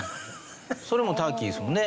それもターキーですもんね。